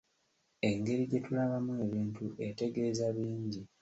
Engeri gye tulabamu ebintu etegeeza bingi.